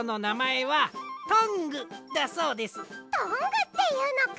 トングっていうのか！